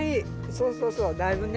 そうそうそうだいぶね。